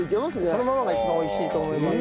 そのままが一番美味しいと思います。